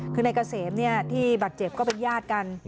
คือในเกษมที่ประเจียบก็เป็นญาติกัน